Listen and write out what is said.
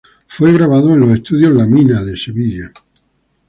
Fue grabado en los Estudios La Mina de Sevilla.